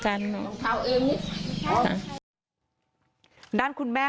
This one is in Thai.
กังฟูเปล่าใหญ่มา